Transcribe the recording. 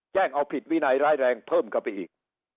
แจ้งเอาผิดวินัยร้ายแรงเพิ่มเข้าไปอีก